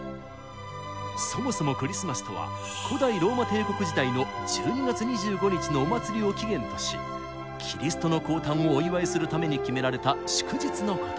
そもそもクリスマスとは古代ローマ帝国時代の１２月２５日のお祭りを起源としキリストの降誕をお祝いするために決められた祝日のこと。